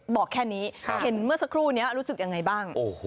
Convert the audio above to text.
บอกแค่นี้เห็นเมื่อสักครู่นี้รู้สึกยังไงบ้าง